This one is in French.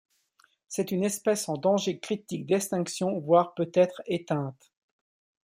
C'est une espèce en danger critique d'extinction voire peut-être éteinte.